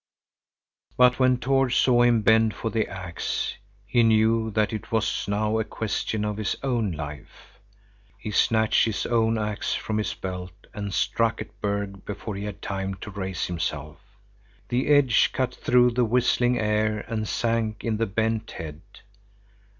But when Tord saw him bend for the axe, he knew that it was now a question of his own life. He snatched his own axe from his belt and struck at Berg before he had time to raise himself. The edge cut through the whistling air and sank in the bent head.